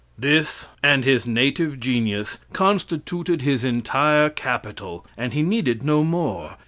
This, and his native genius, constituted his entire capital, and he needed no more.